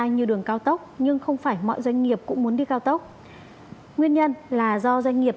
như đường cao tốc nhưng không phải mọi doanh nghiệp cũng muốn đi cao tốc nguyên nhân là do doanh nghiệp